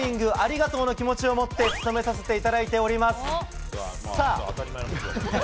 ありがとうの気持ちを持って務めさせてもらっています